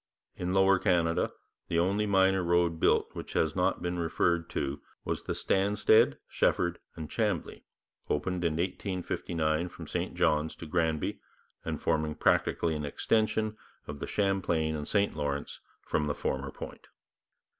In Lower Canada the only minor road built which has not been referred to was the Stanstead, Shefford and Chambly, opened in 1859 from St Johns to Granby, and forming practically an extension of the Champlain and St Lawrence from the former point.